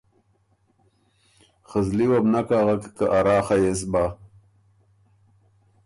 خه زلی وه بُو نک اغک که اراخه يې سو بۀ